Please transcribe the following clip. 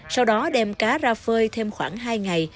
sau đó đem cá ra phơi thêm khoảng hai ngày